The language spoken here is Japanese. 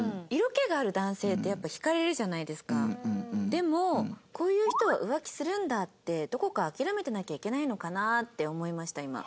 でもこういう人は浮気するんだってどこか諦めてなきゃいけないのかなって思いました今。